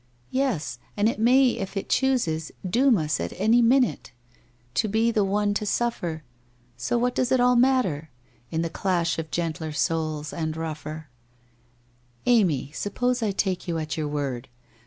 * Yes, and it may if it chooses, doom us any minute, " to be the one to suffer," so what does it all matter? —" in the clash of gentler souls and rougher '"* Amy, suppose I take you at your word